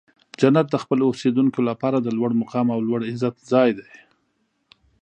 جنت د خپلو اوسیدونکو لپاره د لوړ مقام او لوړ عزت ځای دی.